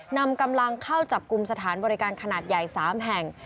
นำกำลังเข้าจับกลุ่มสถานบริการขนาดใหญ่๓แห่ง